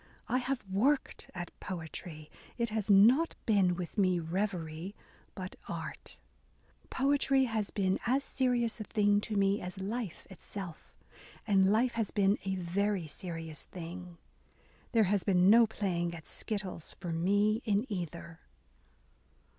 I have worked at poetry — it has not been with me reverie, but art ... Poetry has been as serious a thing to me as life itself ; and life has been a very serious thing ; there has been no playing at skittles for me in either.